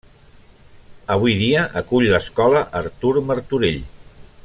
Avui dia acull l'Escola Artur Martorell.